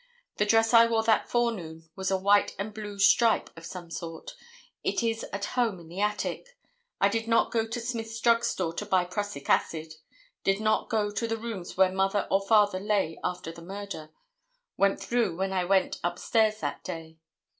The dress I wore that forenoon was a white and blue stripe of some sort. It is at home in the attic. I did not go to Smith's drug store to buy prussic acid. Did not go to the rooms where mother or father lay after the murder. Went through when I went up stairs that day.